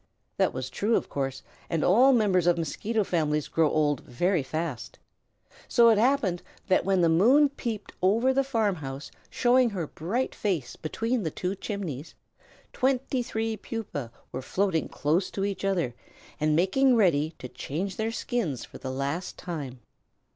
That was true, of course, and all members of Mosquito families grow old very fast. So it happened that when the moon peeped over the farmhouse, showing her bright face between the two chimneys, twenty three Pupæ were floating close to each other and making ready to change their skins for the last time.